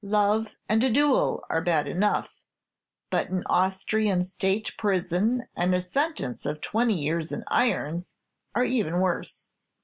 Love and a duel are bad enough; but an Austrian state prison, and a sentence of twenty years in irons, are even worse.